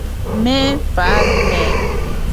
მე ვარ მე